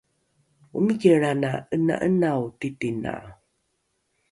omiki lrana ’ena’enao titina